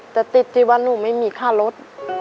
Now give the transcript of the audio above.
แต่ติดที่ว่าหนูไม่มีค่ารถ